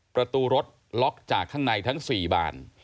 ประตูรถล็อกจากข้างในทั้ง๔บาน